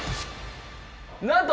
なんと。